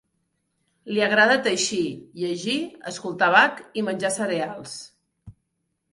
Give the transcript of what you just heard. Li agrada teixir, llegir, escoltar a Bach i menjar cereals.